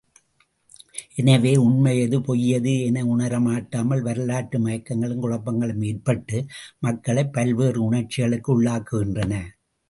எனவே உண்மை எது பொய்யெது என உணரமாட்டாமல் வரலாற்று மயக்கங்களும் குழப்பங்களும் ஏற்பட்டு, மக்களைப் பல்வேறு உணர்ச்சிகளுக்கு உள்ளாக்குகின்றன.